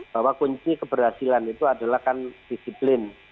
bahwa kunci keberhasilan itu adalah kan disiplin